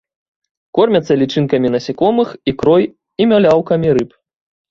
Кормяцца лічынкамі насякомых, ікрой і маляўкамі рыб.